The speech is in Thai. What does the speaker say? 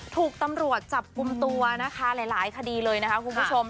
ถูกตำรวจจับกลุ่มตัวนะคะหลายคดีเลยนะคะคุณผู้ชม